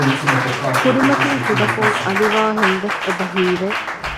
ކުރިމަތިން ކުޑަކޮށް އަލިވާހެންވެސް އެބަ ހީވެ